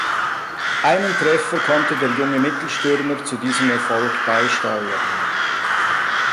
Einen Treffer konnte der junge Mittelstürmer zu diesem Erfolg beisteuern.